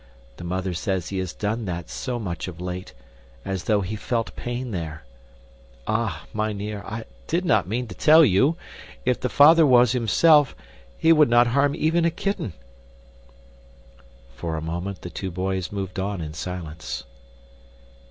The mother says he has done that so much of late, as though he felt pain there. Ah, mynheer, I did not mean to tell you. If the father was himself, he would not harm even a kitten." For a moment the two boys moved on in silence.